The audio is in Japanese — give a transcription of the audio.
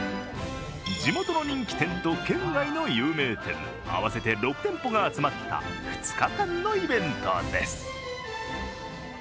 地元の人気店と県外の有名店合わせて６店舗が集まった２日間のイベントです。